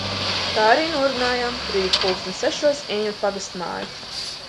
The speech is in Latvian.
Tā arī norunājam rīt pulksten sešos ieņemt pagastmāju.